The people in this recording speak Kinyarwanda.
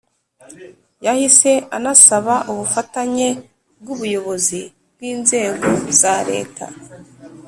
yahise anasaba ubufatanye bw’ubuyobozi bw’inzego za leta